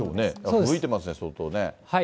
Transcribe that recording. ふぶいてますね、相当ね。